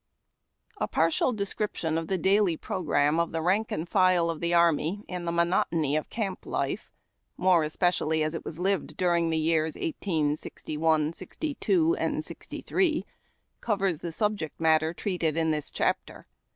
PARTIAL description of the daily programme of the rank and file of the army in the monotony of camp life, more especially as it was lived during the years 1861, '62, and '63, covers the subject matter treated in this chapter.